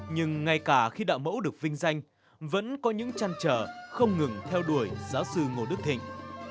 nhưng ngay cả khi đạo mẫu được vinh danh vẫn có những trăn trở không ngừng theo đuổi giáo sư ngô đức thịnh